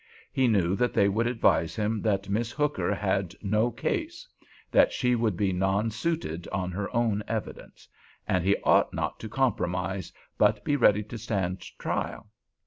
He knew that they would advise him that Miss Hooker had "no case"—that she would be nonsuited on her own evidence, and he ought not to compromise, but be ready to stand trial.